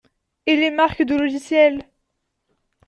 Et les marques de logiciels?